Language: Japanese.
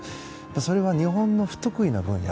それは日本の不得意な分野